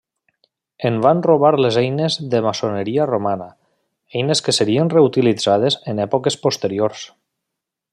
Es van robar les eines de maçoneria romana; eines que serien reutilitzades en èpoques posteriors.